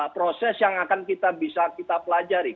proses yang akan kita bisa kita pelajari